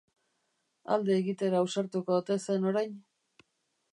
Alde egitera ausartuko ote zen orain?